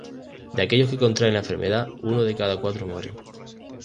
De aquellos que contraen la enfermedad, uno de cada cuatro mueren.